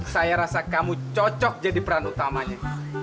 saya rasa kamu cocok jadi peran utamanya